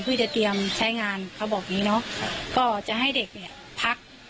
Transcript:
เพื่อจะเตรียมใช้งานเขาบอกอย่างงี้เนอะก็จะให้เด็กเนี่ยพัก